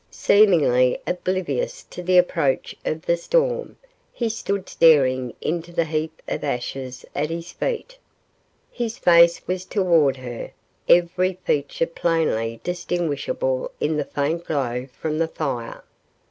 Seemingly oblivious to the approach of the storm, he stood staring into the heap of ashes at his feet. His face was toward her, every feature plainly distinguishable in the faint glow from the fire.